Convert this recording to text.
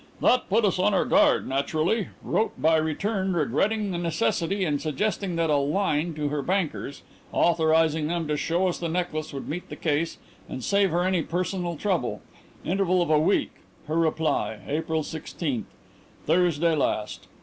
"That put us on our guard naturally. Wrote by return regretting the necessity and suggesting that a line to her bankers, authorizing them to show us the necklace, would meet the case and save her any personal trouble. Interval of a week. Her reply, April sixteenth. Thursday last.